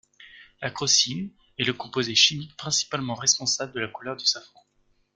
La crocine est le composé chimique principalement responsable de la couleur du safran.